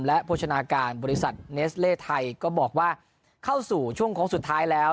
และโภชนาการบริษัทเนสเล่ไทยก็บอกว่าเข้าสู่ช่วงโค้งสุดท้ายแล้ว